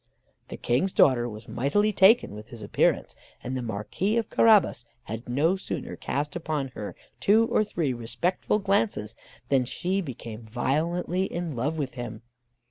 The King's daughter was mightily taken with his appearance, and the Marquis of Carabas had no sooner cast upon her two or three respectful glances, than she became violently in love with him.